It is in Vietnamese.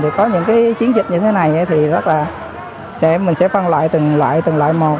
thì có những cái chiến dịch như thế này thì rất là mình sẽ phân loại từng loại từng loại một